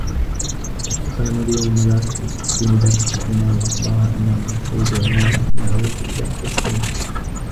اتّصل مدير المدرسة بمدرّستنا و أخبرها أنّه سيدعنا نعود إلى قسمنا.